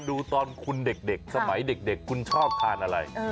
ดูตอนคุณเด็กสมัยเด็กคุณชอบทานอะไร